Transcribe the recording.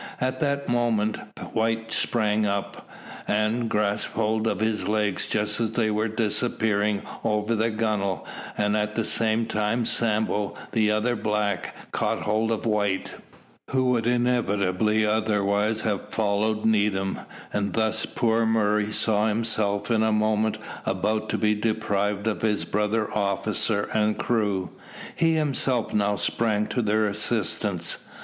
At that moment White sprang up, and grasped hold of his legs just as they were disappearing over the gunwale; and at the same time Sambo, the other black, caught hold of White, who would inevitably otherwise have followed Needham, and thus poor Murray saw himself in a moment about to be deprived of his brother officer and crew. He himself now sprang to their assistance.